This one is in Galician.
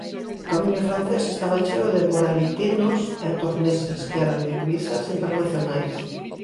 O Camiño Francés estaba cheo de morabitinos e torneses, que eran divisas internacionais.